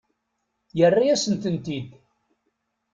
Yerra-yasent-ten-id.